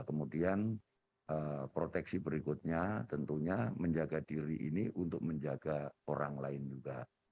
kemudian proteksi berikutnya tentunya menjaga diri ini untuk menjaga orang lain juga